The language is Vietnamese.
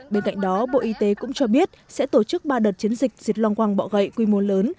bên cạnh đó bộ y tế cũng cho biết sẽ tổ chức ba đợt chiến dịch diệt long quăng bọ gậy quy mô lớn